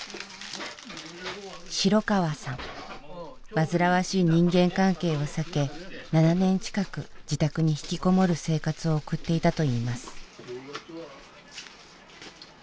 煩わしい人間関係を避け７年近く自宅に引きこもる生活を送っていたといいます。